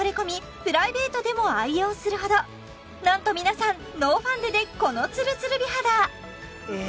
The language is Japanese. プライベートでも愛用するほどなんと皆さんノーファンデでこのツルツル美肌え